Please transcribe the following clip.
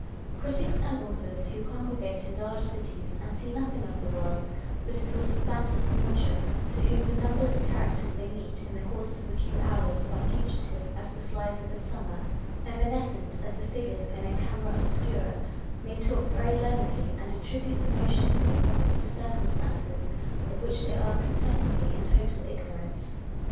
Critics and authors, who congregate in large cities, and see nothing of the world but a sort of phantasmagoria, to whom the numberless characters they meet in the course of a few hours are fugitive "as the flies of a summer," evanescent as the figures in a camera obscura, may talk very learnedly, and attribute the motions of the puppets to circumstances of which they are confessedly in total ignorance.